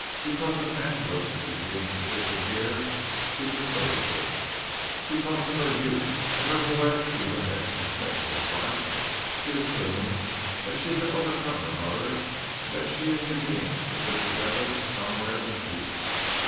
Because of Angela's and Eugene's position here, she preferred this. Because of her youth and her poetic, erratic conception of life, she assumed that she could overcome her mother and that she and Eugene could live together somewhere in peace.